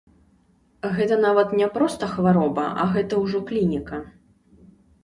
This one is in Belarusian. Гэта нават не проста хвароба, а гэта ўжо клініка.